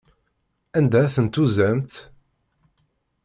Anda ay ten-tuzamt?